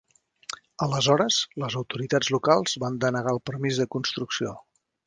Aleshores, les autoritats locals van denegar el permís de construcció.